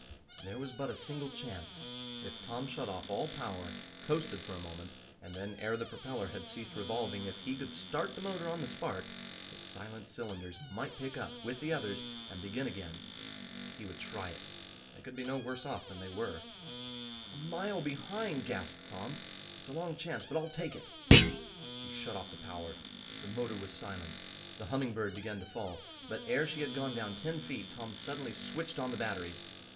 There was but a single chance. If Tom shut off all power, coasted for a moment, and then, ere the propeller had ceased revolving, if he could start the motor on the spark, the silent cylinders might pick up, with the others, and begin again. He would try it. They could be no worse off than they were. "A mile behind!" gasped Tom. "It's a long chance, but I'll take it." He shut off the power. The motor was silent, the Humming Bird began to fall. But ere she had gone down ten feet Tom suddenly switched on the batteries.